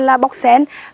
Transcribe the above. là bóc sen